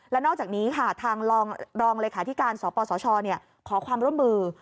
และนอกจากนี้ค่ะทางรองเลขาธิการสปสชขอความร่วมมือ